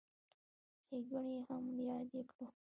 ښېګڼې یې هم یادې کړو.